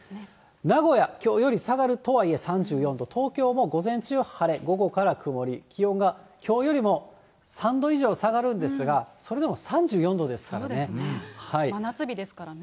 名古屋、きょうより下がるとはいえ、３４度、東京も午前中は晴れ、午後から曇り、気温がきょうよりも３度以上下がるんですが、それでも３４度です真夏日ですからね。